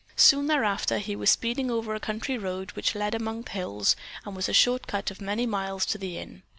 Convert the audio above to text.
Soon thereafter he was speeding over a country road which led among the hills and was a short cut of many miles to the Inn.